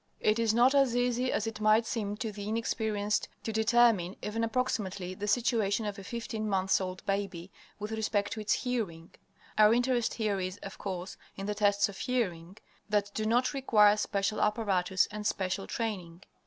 It is not as easy as it might seem to the inexperienced to determine even approximately the situation of a fifteen months old baby with respect to its hearing. Our interest here is, of course, in the tests of hearing that do not require special apparatus and special training.